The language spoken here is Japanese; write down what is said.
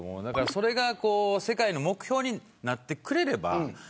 それが世界の目標になってくれれば。